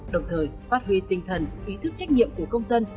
đồng thời phát huy tinh thần ý thức trách nhiệm của công dân